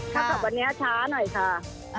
ถ้ากลับวันนี้ช้าหน่อยค่ะ